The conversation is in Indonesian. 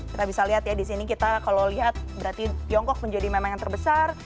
kita bisa lihat ya di sini kita kalau lihat berarti tiongkok menjadi memang yang terbesar